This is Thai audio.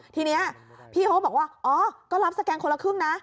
ทีนี้พี่เขาก็บอกว่าอ๋อก็รับสแกนคนละครึ่งนะ